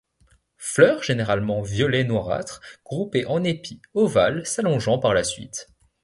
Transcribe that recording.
Fleurs généralement violet noirâtre, groupées en épis ovales s'allongeant par la suite.